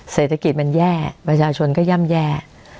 เศรษฐกิจมันแย่ประชาชนก็ย่ำแย่